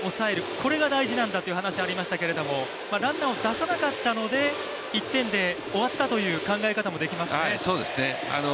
これが大事なんだという話はありましたけど、ランナーを出さなかったので、１点で終わったという考え方もできますね。